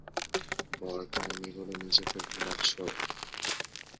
বর পাই নি বলে নিজেকে ভোলাচ্ছ?